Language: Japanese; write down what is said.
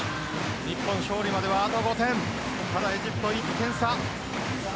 日本、勝利まであと５点エジプト１点差。